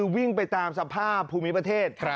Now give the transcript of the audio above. วิ่งไปตามสภาพภูมิประเทศ